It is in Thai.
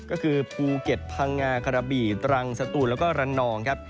ก็คือภูเก็ตพังงากระบี่ตรังสตูนแล้วก็ระนองครับ